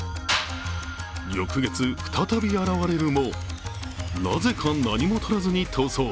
翌月、再び現れるも、なぜか何もとらずに逃走。